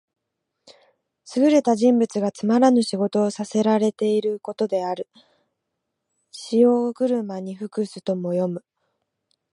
優れた人物がつまらぬ仕事をさせらていることである。「驥、塩車に服す」とも読む。